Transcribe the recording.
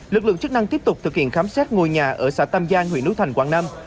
lực lượng chức năng tiếp tục thực hiện khám xét ngôi nhà ở xã tam giang huyện núi thành quảng nam